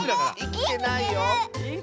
いきてない。